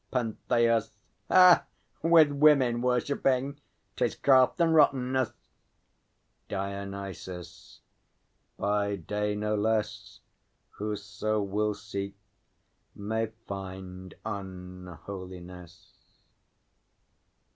PENTHEUS. Ha! with women worshipping? 'Tis craft and rottenness! DIONYSUS. By day no less, Whoso will seek may find unholiness.